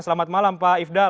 selamat malam pak ifdal